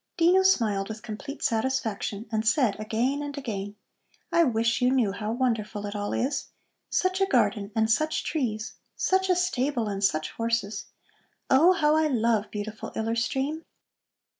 Dino smiled with complete satisfaction, and said again and again: "I wish you knew how wonderful it all is. Such a garden and such trees! Such a stable and such horses! Oh, how I love beautiful Iller Stream!"